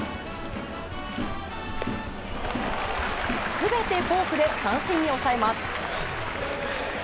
全てフォークで三振に抑えます。